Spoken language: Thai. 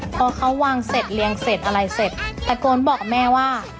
พอเขาวางเสร็จเรียงเสร็จอะไรเสร็จตะโกนบอกกับแม่ว่า